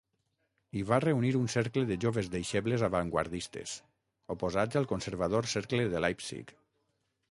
Hi va reunir un cercle de joves deixebles avantguardistes, oposats al conservador cercle de Leipzig.